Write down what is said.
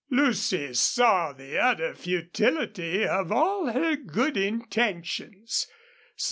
Lucy saw the utter futility of all her good intentions.